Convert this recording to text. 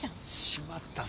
しまった。